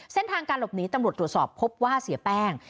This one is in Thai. เส้นทางการหลบหนีตำรวจตรวจสอบพบว่าเสียแป้ง